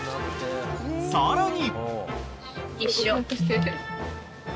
［さらに］